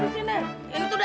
hei itu makanan gua